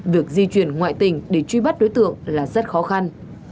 việc di chuyển ngoại tỉnh để truy bắt đối tượng là rất khó khăn